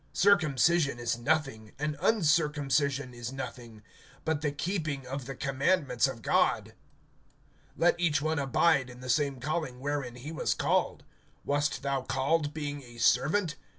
(19)Circumcision is nothing, and uncircumcision is nothing; but the keeping of the commandments of God. (20)Let each one abide in the same calling wherein he was called. (21)Wast thou called being a servant?